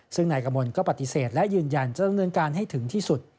ซึ่งนายกมลก็ปฏิเสธและยืนยันจะดำเนินการให้ถึงที่สุด